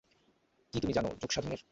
কী তুমি জানো যোগসাধনের?